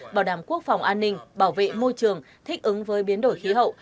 bảo đảm quốc phòng an ninh bảo vệ môi trường thích ứng với biến đổi khí hậu